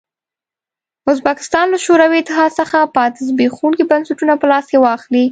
ازبکستان له شوروي اتحاد څخه پاتې زبېښونکي بنسټونه په لاس کې واخلي.